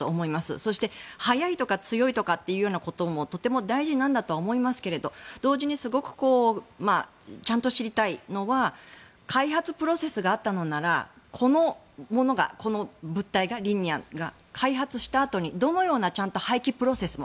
そして速いとか強いのも大事だと思うんですが同時にすごくちゃんと知りたいのは開発プロセスがあったのならこのものが、この物体がリニアが、開発したあとにどのような廃棄プロセスも。